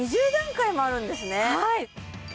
２０段階もあるんですね